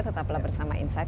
tetaplah bersama insight